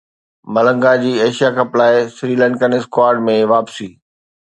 ملنگا جي Asia cup لاءِ Sri Lankan squad ۾ واپسي